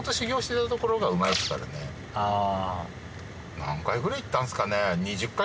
何回くらい行ったんすかね。